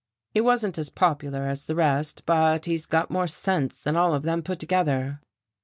He wasn't as popular as the rest, but he's got more sense than all of them put together."